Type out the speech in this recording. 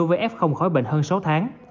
đối với f khỏi bệnh hơn sáu tháng